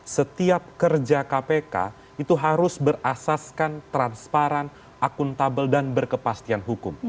setiap kerja kpk itu harus berasaskan transparan akuntabel dan berkepastian hukum